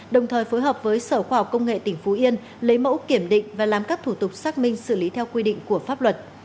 đồng thời phối hợp với sở khoa học công nghệ tỉnh phú yên lấy mẫu kiểm định và làm các thủ tục xác minh xử lý theo quy định của pháp luật